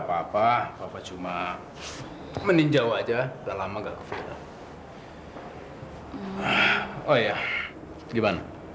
sampai jumpa di video selanjutnya